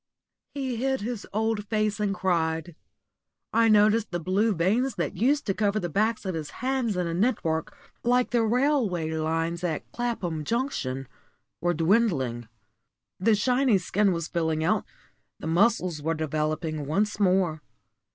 He hid his old face and cried. I noticed the blue veins that used to cover the backs of his hands in a net work, like the railway lines at Clapham Junction, were dwindling. The shiny skin was filling out; the muscles were developing once more.